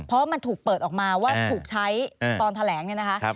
เพราะมันถูกเปิดออกมาว่าถูกใช้ตอนแถลงเนี่ยนะคะ